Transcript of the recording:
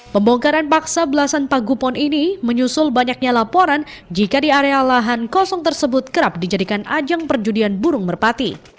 pembongkaran paksa belasan pagupon ini menyusul banyaknya laporan jika di area lahan kosong tersebut kerap dijadikan ajang perjudian burung merpati